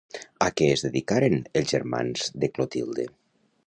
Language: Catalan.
A què es dedicaren els germans de Clotilde?